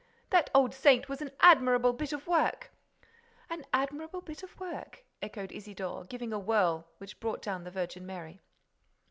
That old saint was an admirable bit of work—" "An admirable bit of work!" echoed Isidore, giving a whirl which brought down the Virgin Mary.